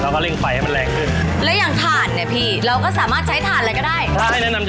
พอรีดน้ำมันได้สักพักเราจะมากับดันนั้น